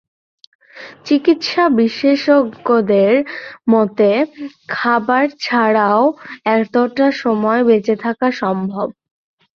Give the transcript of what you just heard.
চিকিৎসা বিশেষজ্ঞদের মতে, খাবার ছাড়াও এতটা সময় বেঁচে থাকা সম্ভব।